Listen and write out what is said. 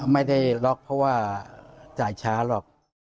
ไม่ได้ล็อกเพราะว่าจ่ายช้าหรอก